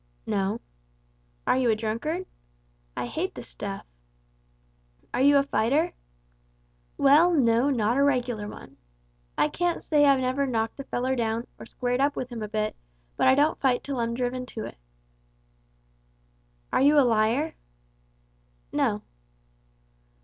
"No." "Are you a drunkard?" "I hate the stuff!" "Are you a fighter?" "Well, no, not a reg'lar one. I can't say I've never knocked a feller down, or squared up with him a bit, but I don't fight till I'm driven to it." "Are you a liar?" "No."